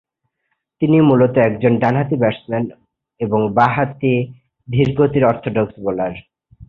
তিনি মূলত একজন ডান-হাতি ব্যাটসম্যান এবং বা-হাতি ধীরগতির অর্থডক্স বোলার।